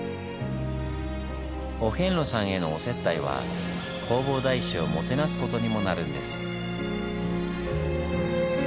お遍路さんへのお接待は弘法大師をもてなすことにもなるんです。